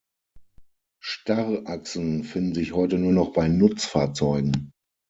Starrachsen finden sich heute nur noch bei Nutzfahrzeugen.